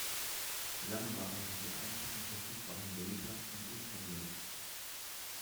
Lange waren sie die einzigen verfügbaren Laser im Ultraviolett.